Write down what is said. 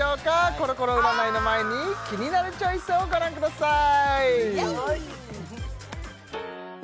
コロコロ占いの前に「キニナルチョイス」をご覧ください